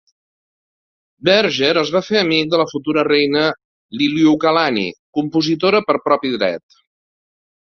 Berger es va fer amic de la futura reina Liliuokalani, compositora per propi dret.